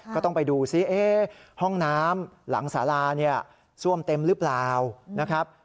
ก็ต้องไปดูซิห้องน้ำหลังสาราเนี่ยซ่วมเต็มหรือเปล่านะครับ